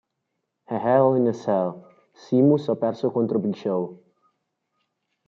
A Hell in a Cell, Sheamus ha perso contro Big Show.